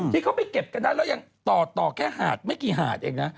ที่เขาไปเก็บกันได้แล้วยังต่อแค่หาดไม่กี่หาดเองนะ